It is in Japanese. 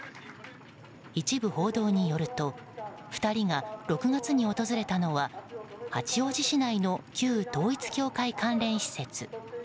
一部報道によると２人が６月に訪れたのは八王子市内の旧統一教会関連施設。